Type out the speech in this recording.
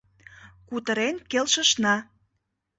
— Кутырен келшышна!